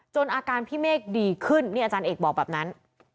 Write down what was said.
อาการพี่เมฆดีขึ้นนี่อาจารย์เอกบอกแบบนั้น